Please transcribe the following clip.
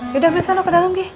yaudah beli sana ke dalam g